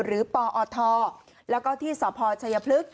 หรือปอทแล้วก็ที่สพชพ